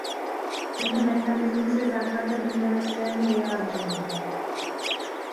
Tento mechanismus je základem uměleckého vyjádření.